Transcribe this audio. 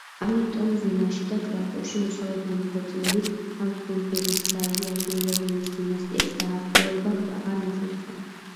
ამიტომ ვენაში და კრაკოვში მოსალოდნელი ქორწინებით ჰაბსბურგების და იაგელონების დინასტიების დაახლოვება აღარ მოხერხდა.